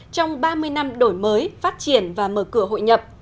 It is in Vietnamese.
trong ba mươi năm đổi mới phát triển và mở cửa hội nhập